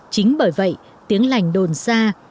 chính bởi vậy tiếng lành đồn xa